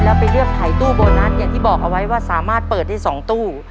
แล้วไปเลือกถ่ายตู้โบนัสอย่างที่บอกเอาไว้ว่าสามารถเปิดได้๒ตู้